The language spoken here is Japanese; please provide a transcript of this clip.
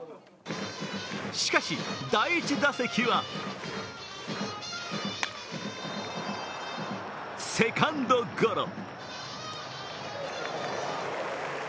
しかし、第１打席はセカンドゴロ。